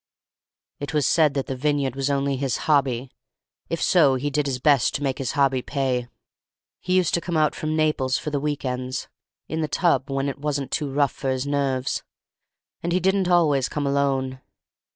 It was said that the vineyard was only his hobby; if so, he did his best to make his hobby pay. He used to come out from Naples for the week ends—in the tub when it wasn't too rough for his nerves—and he didn't always come alone.